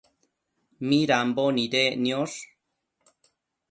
midambo nidec niosh ?